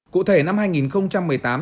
cụ thể năm hai nghìn một mươi tám